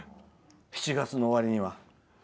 ７月の終わりには。